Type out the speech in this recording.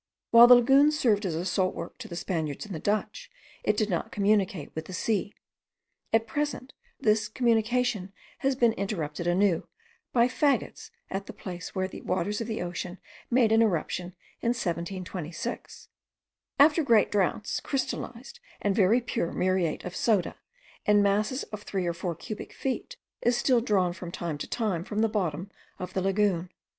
While the lagoon served as a salt work to the Spaniards and the Dutch, it did not communicate with the sea; at present this communication has been interrupted anew, by faggots placed at the place where the waters of the ocean made an irruption in 1726. After great droughts, crystallized and very pure muriate of soda, in masses of three or four cubic feet, is still drawn from time to time from the bottom of the lagoon.